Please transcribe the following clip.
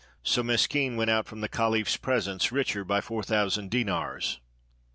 So Meskin went out from the caliph's presence richer by four thousand dinars."